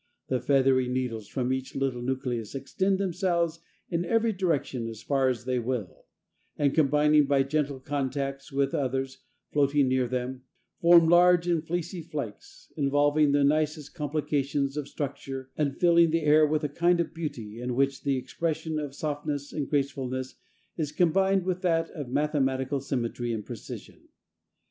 The feathery needles from each little nucleus extend themselves in every direction as far as they will, and combining by gentle contacts with others floating near them, form large and fleecy flakes, involving the nicest complications of structure, and filling the air with a kind of beauty in which the expression of softness and gracefulness is combined with that of mathematical symmetry and precision.